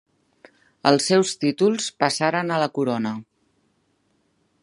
Els seus títols passaren a la corona.